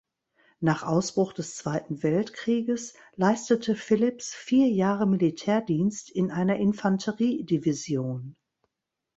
Nach Ausbruch des Zweiten Weltkrieges leistete Phillips vier Jahre Militärdienst in einer Infanteriedivision.